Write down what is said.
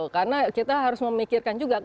karena kita harus memikirkan juga